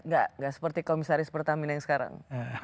gak seperti komisaris pertamina yang sekarang